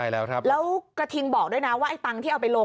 แล้วกระทิงบอกด้วยนะว่าไอ้ตังค์ที่เอาไปลง